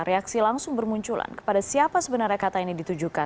reaksi langsung bermunculan kepada siapa sebenarnya kata ini ditujukan